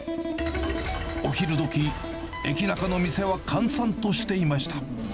お昼どき、エキナカの店は閑散としていました。